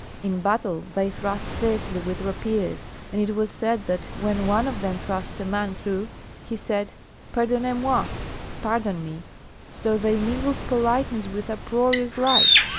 In battle they thrust fiercely with rapiers, and it was said that when one of them thrust a man through he said, 'Pardonnez moi!' (pardon me); so they mingled politeness with uproarious life.